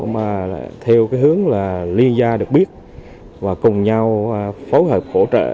mà theo cái hướng là liên gia được biết và cùng nhau phối hợp hỗ trợ